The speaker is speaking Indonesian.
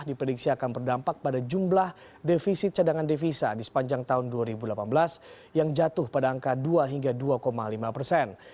diprediksi akan berdampak pada jumlah defisit cadangan devisa di sepanjang tahun dua ribu delapan belas yang jatuh pada angka dua hingga dua lima persen